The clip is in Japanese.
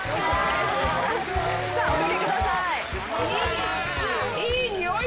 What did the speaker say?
さあお掛けください。